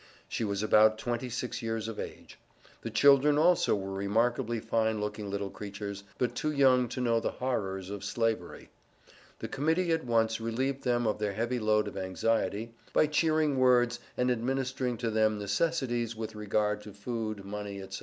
She was about twenty six years of age. The children also were remarkably fine looking little creatures, but too young to know the horrors of Slavery. The Committee at once relieved them of their heavy load of anxiety by cheering words and administering to their necessities with regard to food, money, etc.